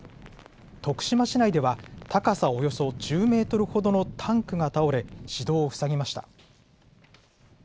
徳島市内では高さおよそ１０メートルほどのタンクが倒れ、市道を塞ぎました。